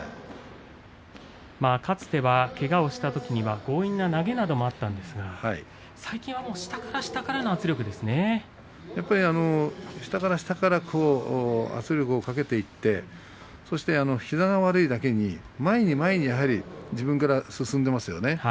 かつてはけがをしたときには強引な投げなどもあったんですが下から下から圧力をかけていってそして膝が悪いだけに前に前に自分が進んでいますよね。